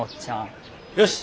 よし。